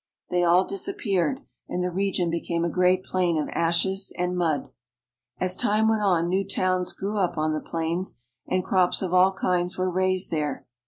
They all disappeared, and the region became a great plain of ashes and mud. As time went on new towns grew up on the plains, and crops of all kinds were raised there.